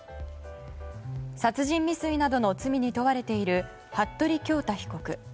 殺人未遂などの罪に問われている服部恭太被告。